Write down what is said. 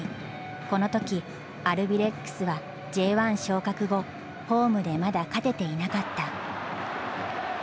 この時アルビレックスはＪ１昇格後ホームでまだ勝てていなかった。